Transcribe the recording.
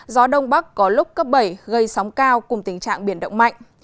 gió đông bắc có lúc cấp bảy gây sóng cao cùng tình trạng biển động mạnh